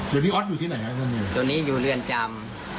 พี่ออสอยู่ที่ไหนครับตอนนี้อยู่เรือนจำ